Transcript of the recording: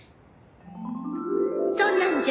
そんなんじゃ